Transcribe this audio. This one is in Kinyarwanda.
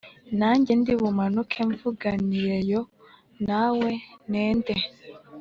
Nanjye ndi bumanuke mvuganireyo nawe nende